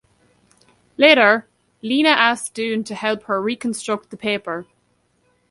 Later, Lina asks Doon to help her reconstruct the paper.